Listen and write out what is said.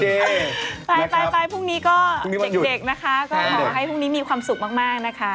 ตายพรุ่งนี้ก็อาหารให้มีความสุขมากนะคะ